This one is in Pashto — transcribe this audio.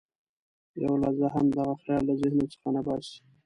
یوه لحظه هم دغه خیال له ذهن څخه نه باسي.